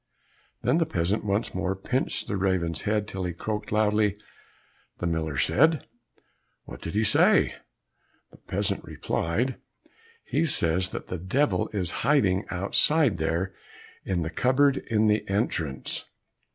Then the peasant once more pinched the raven's head till he croaked loudly. The miller asked, "What did he say?" The peasant replied, "He says that the Devil is hiding outside there in the cupboard in the entrance."